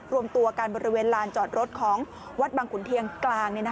รวมตัวกันบริเวณลานจอดรถของวัดบังขุนเทียนกลาง